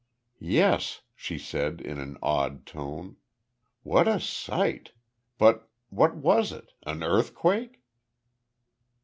"Yes," she said in an awed tone. "What a sight! But what was it? An earthquake?"